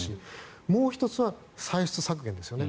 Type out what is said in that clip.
もう１つは歳出削減ですね。